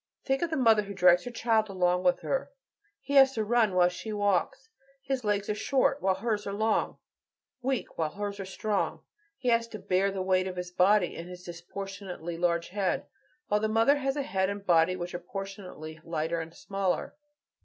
Think of the mother who drags her child along with her; he has to run while she walks; his legs are short, while hers are long; weak, while hers are strong, he has to bear the weight of his body and his disproportionately large head, while the mother has a head and body which are proportionally lighter and smaller.